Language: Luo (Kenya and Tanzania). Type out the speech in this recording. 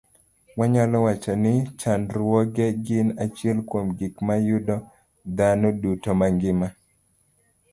Wanyalo wacho ni chandruoge gin achiel kuom gik ma yudo dhano duto mangima